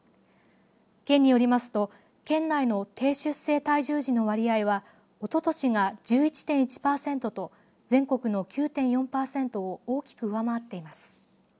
県によりますと県内の低出生体重児の割合はおととしが１１．１パーセントと全国の９．４パーセントを大きく上回っています。